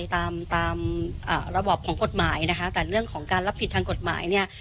ตามตามระบอบของกฎหมายนะคะแต่เรื่องของการรับผิดทางกฎหมายเนี่ย